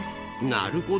なるほど。